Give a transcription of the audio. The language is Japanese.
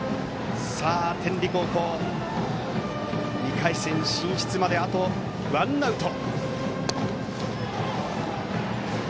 天理高校、２回戦進出まであとワンアウト。